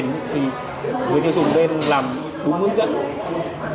người tiêu dùng nên làm đúng hướng dẫn về giảm hiệu suất